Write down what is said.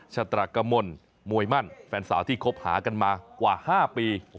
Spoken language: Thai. ชะตรกมลมวยมั่นแฟนสาวที่คบหากันมากว่า๕ปี